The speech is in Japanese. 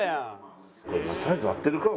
サイズ合ってるか？